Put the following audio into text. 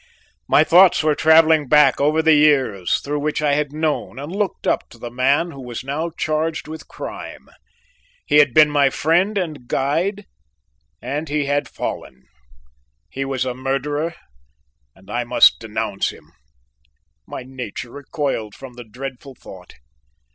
My thoughts were travelling back over the years through which I had known and looked up to the man who was now charged with crime. He had been my friend and guide, and he had fallen. He was a murderer, and I must denounce him. My nature recoiled from the dreadful thought.